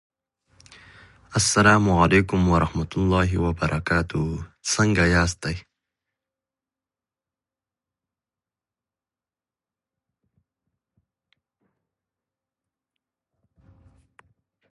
د ریاکارۍ عمل هېڅ ارزښت نه لري.